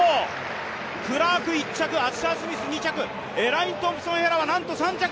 クラーク１着アッシャー・スミス、２着エライン・トンプソン・ヘラはなんと、３着。